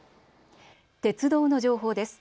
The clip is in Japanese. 鉄道の情報です。